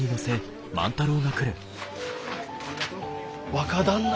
若旦那！